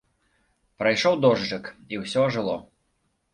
Прайшоў дожджык, і ўсё ажыло.